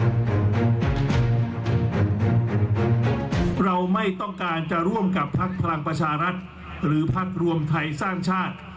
เราไม่ต้องการจะร่วมกับพักพลังประชารัฐหรือพักรวมไทยสร้างชาติ